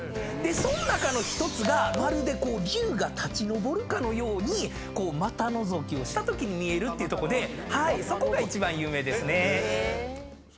その中の１つがまるで龍が立ち昇るかのように股のぞきをしたときに見えるっていうとこでそこが一番有名ですね。